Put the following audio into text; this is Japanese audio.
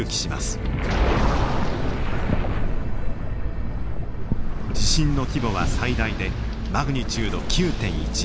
地震の規模は最大でマグニチュード９．１。